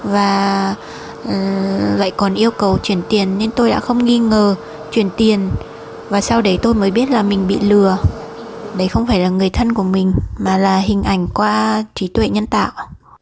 và sau đấy tôi mới biết là mình bị lừa đấy không phải là người thân của mình mà là hình ảnh qua trí tuệ nhân tạo